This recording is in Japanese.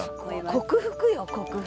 克服よ克服。